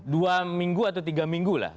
dua minggu atau tiga minggu lah